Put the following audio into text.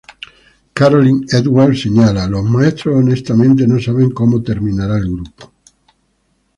Carolyn Edwards señala: "Los maestros honestamente no saben cómo terminará el grupo.